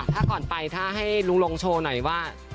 ถ้าก่อนไปถ้าให้ลุงลงโชว์หน่อยว่า